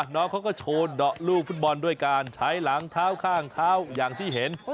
น้องเขาก็โชว์เดาะลูกฟุตบอลด้วยการใช้หลังเท้าข้างเท้าอย่างที่เห็น